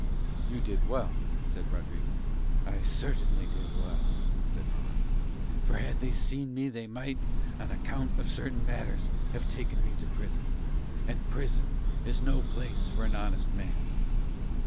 "You did well," said Rodriguez. "Certainly I did well," said Morano, "for had they seen me they might, on account of certain matters, have taken me to prison, and prison is no place for an honest man."